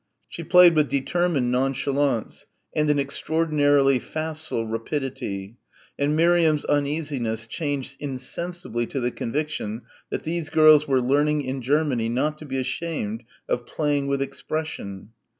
She played with determined nonchalance and an extraordinarily facile rapidity, and Miriam's uneasiness changed insensibly to the conviction that these girls were learning in Germany not to be ashamed of "playing with expression."